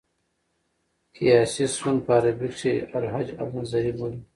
قیاسي سون په عربي کښي الهج النظري بولي.